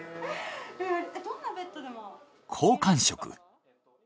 好感触。